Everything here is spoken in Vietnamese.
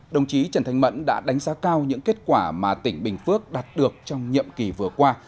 đồng chí trần thanh mẫn đã đánh giá cao những kết quả mà tỉnh bình phước đạt được trong nhiệm kỳ vừa qua